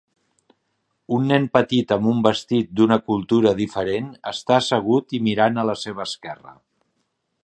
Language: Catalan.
Un nen petit amb un vestit d'una cultura diferent està assegut i mirant a la seva esquerra.